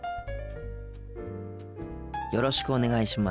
よろしくお願いします。